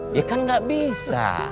ya kan gak bisa